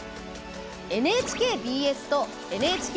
ＮＨＫＢＳとＮＨＫＢＳ